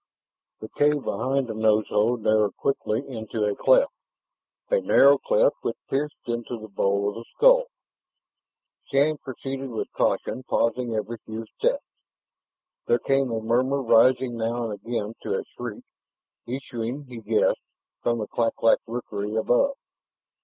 The cave behind the nose hole narrowed quickly into a cleft, a narrow cleft which pierced into the bowl of the skull. Shann proceeded with caution, pausing every few steps. There came a murmur rising now and again to a shriek, issuing, he guessed, from the clak clak rookery above.